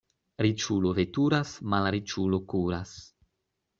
Riĉulo veturas, malriĉulo kuras.